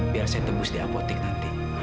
biar saya tebus di apotik nanti